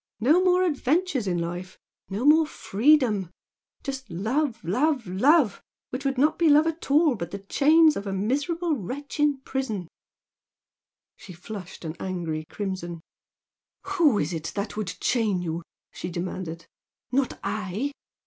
No more adventures in life, no more freedom! just love, love, love, which would not be love at all but the chains of a miserable wretch in prison!" She flushed an angry crimson. "Who is it that would chain you?" she demanded, "Not I!